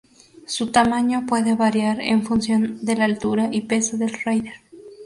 Su tamaño puede variar en función de la altura y peso del rider.